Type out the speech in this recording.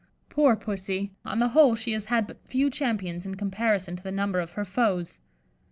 Poor Pussy! on the whole she has had but few champions in comparison to the number of her foes.